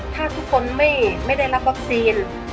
ถ้าทุกคนไม่ได้รับวัคซีน